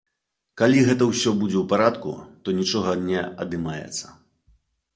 Калі гэта ўсё будзе ў парадку, то нічога не адымаецца.